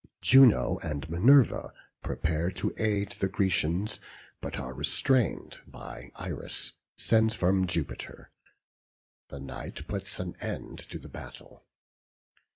Juno and Minerva prepare to aid the Grecians, but are restrained by Iris, sent from Jupiter. The night puts an end to the battle.